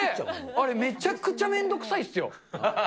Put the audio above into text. あれ、めちゃくちゃ面倒くさいですよ。